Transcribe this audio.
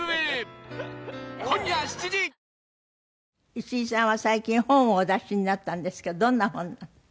石井さんは最近本をお出しになったんですけどどんな本？